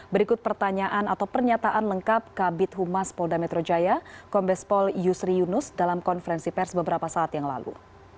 berikut pertanyaan atau pernyataan lengkap kabit humas polda metro jaya kombespol yusri yunus dalam konferensi pers beberapa saat yang lalu